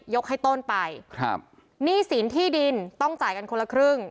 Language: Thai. ให้ต้นไปครับหนี้สินที่ดินต้องจ่ายกันคนละครึ่ง